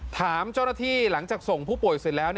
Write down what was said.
ถามเจ้าหน้าที่หลังจากส่งผู้ป่วยเสร็จแล้ว